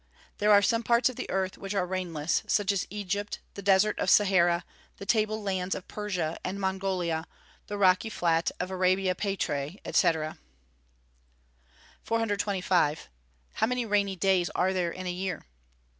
_ There are some parts of the earth which are rainless, such as Egypt, the desert of Sahara, the table lands of Persia and Montgolia, the rocky flat of Arabia Petræ, &c. 425. _How many rainy days are there in a year?